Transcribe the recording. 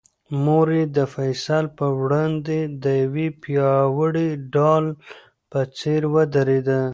مور یې د فیصل په وړاندې د یوې پیاوړې ډال په څېر ودرېده.